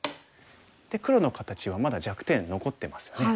黒の形はまだ弱点残ってますよね。